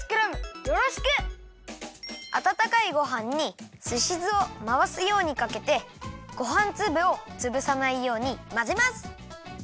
あたたかいごはんにすし酢をまわすようにかけてごはんつぶをつぶさないようにまぜます！